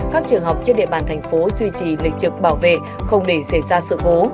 các trường học trên địa bàn thành phố duy trì lịch trực bảo vệ không để xảy ra sự cố